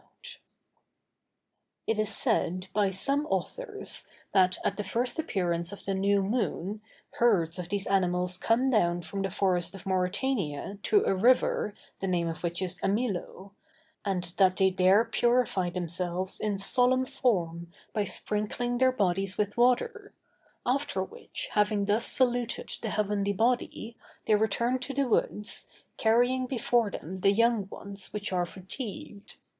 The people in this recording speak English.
It is said by some authors, that, at the first appearance of the new moon, herds of these animals come down from the forests of Mauritania to a river, the name of which is Amilo; and that they there purify themselves in solemn form by sprinkling their bodies with water; after which, having thus saluted the heavenly body, they return to the woods, carrying before them the young ones which are fatigued.